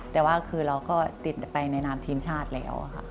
แต่ว่าคือเราก็ติดไปในนามทีมชาติแล้วค่ะ